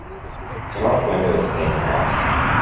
The north window is stained glass.